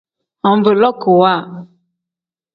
Anvilookiwa.